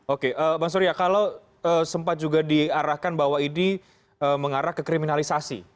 oke bang surya kalau sempat juga diarahkan bahwa ini mengarah ke kriminalisasi